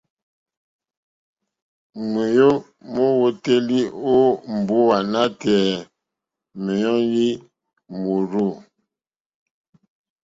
Ŋwéyò mówǒtélì ó mbówà nǎtɛ̀ɛ̀ mɔ́nɛ̀yí mórzô.